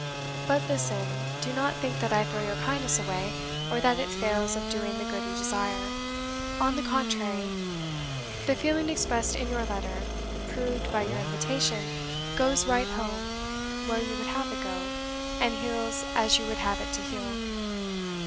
But listen do not think that I throw your kindness away; or that it fails of doing the good you desire. On the contrary, the feeling expressed in your letter, proved by your invitation goes RIGHT HOME where you would have it to go, and heals as you would have it to heal.